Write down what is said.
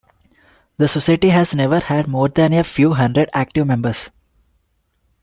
The Society has never had more than a few hundred active members.